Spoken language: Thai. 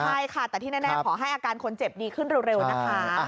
ใช่ค่ะแต่ที่แน่ขอให้อาการคนเจ็บดีขึ้นเร็วนะคะ